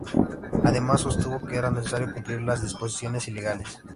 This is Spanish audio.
Además, sostuvo que era necesario cumplir las disposiciones legales.